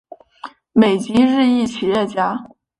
美籍日裔企业家。